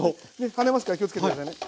跳ねますから気をつけて下さいね。